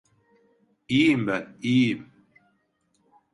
İyiyim ben, iyiyim.